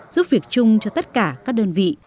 giúp việc chung cho tất cả các đơn vị